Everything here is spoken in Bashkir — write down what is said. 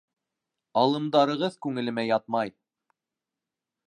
Алымдарығыҙ күңелемә ятмай.